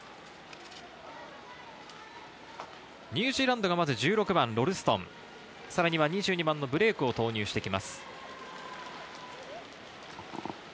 ニュージーランドが待つ１６番ロルストン、２２番のブレークを投入してきます。